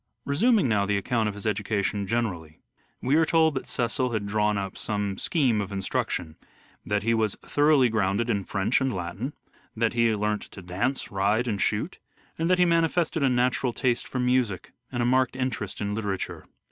Resuming now the account of his education generally, we are told that Cecil had drawn up some scheme of learning and life instruction ; that he was " thoroughly grounded in French and Latin "; that he " learnt to dance, ride and shoot "; and that he manifested a natural taste for music and a marked interest in literature.